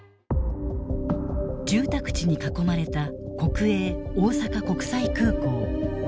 住宅地に囲まれた国営大阪国際空港。